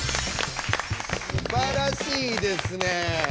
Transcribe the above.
すばらしいですねえ。